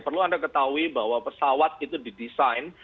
perlu anda ketahui bahwa pesawat itu didesain